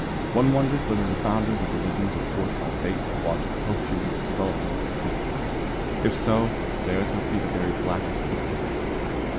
One wonders whether the founders of religions are forced by fate to watch the posthumous development of their creeds. If so, theirs must be the very blackest pit of Hell.